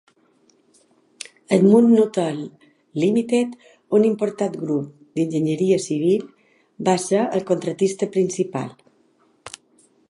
Edmund Nuttall Limited, un important grup d'enginyeria civil, va ser el contractista principal.